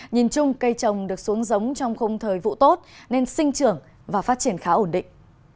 nhìn chung cây trồng được xuống giống trong khung thời vụ tốt nên sinh trưởng và phát triển khá ổn định